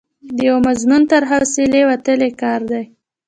د یوه مضمون تر حوصلې وتلی کار دی.